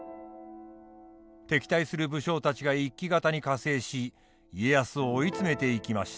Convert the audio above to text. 敵対する武将たちが一揆方に加勢し家康を追い詰めていきました。